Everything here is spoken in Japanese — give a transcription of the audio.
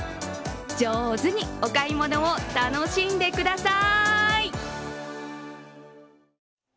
上手にお買い物を楽しんでください。